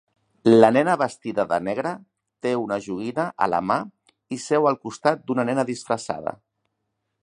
La nena vestida de negre té una joguina a la mà i seu al costat d'una nena disfressada.